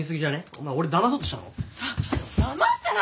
お前俺だまそうとしたの？